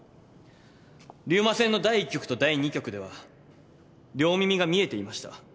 竜馬戦の第１局と第２局では両耳が見えていました。